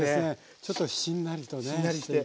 ちょっとしんなりとねしていて。